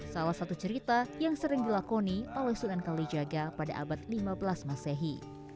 salah satu cerita yang sering dilakoni oleh sunan kalijaga pada abad lima belas masehi